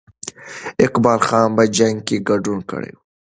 اقبال خان په جنګ کې ګډون کړی وو.